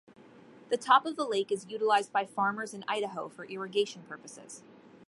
The top of the lake is utilized by farmers in Idaho for irrigation purposes.